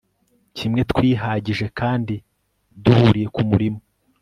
kimwe twihagije kandi duhuriye ku murimo